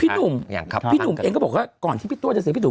หนุ่มพี่หนุ่มเองก็บอกว่าก่อนที่พี่ตัวจะเสียพี่หนุ่ม